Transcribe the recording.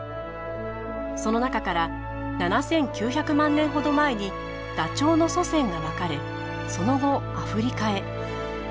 その中から７，９００万年ほど前にダチョウの祖先が分かれその後アフリカへ。